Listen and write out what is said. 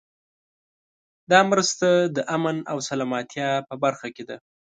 دا مرسته د امن او سلامتیا په برخه کې ده.